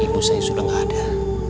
ibu saya sudah ada